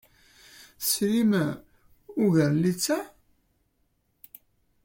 Tesrim ugar n littseɛ?